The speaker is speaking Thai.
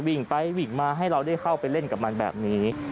มันก็จะวิ่งมาให้เราเข้าไปเล่นกับมันแบบนี้